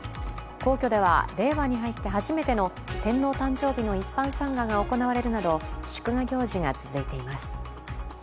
皇居では令和に入って初めての天皇誕生日の一般参賀が行われるなど祝賀行事が続いています。